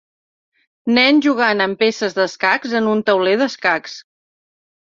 Nen jugant amb peces d'escacs en un tauler d'escacs.